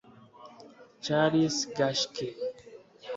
Charles Geschke